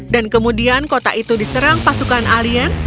dan kemudian kota itu diserang pasukan alien